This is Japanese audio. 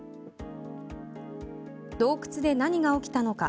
洞窟で何が起きたのか。